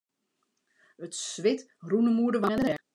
It swit rûn him oer de wangen en de rêch.